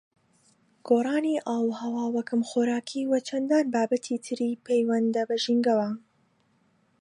گۆڕانی ئاووهەوا و کەمخۆراکی و چەندان بابەتی تری پەیوەند بە ژینگەوە